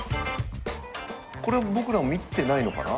これ僕らも見てないのかな？